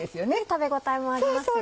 食べ応えもありますよね。